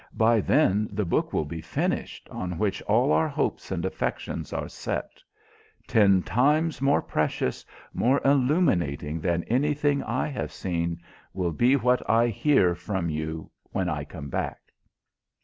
"By then the book will be finished on which all our hopes and affections are set. Ten times more precious, more illuminating than anything I have seen, will be what I hear from you when I come back!"